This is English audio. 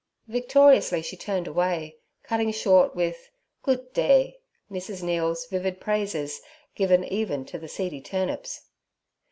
Victoriously she turned away, cutting short with 'Goot day' Mrs. Neal's vivid praises given even to the seedy turnips.